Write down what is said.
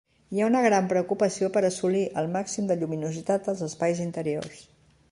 Hi ha una gran preocupació per assolir el màxim de lluminositat als espais interiors.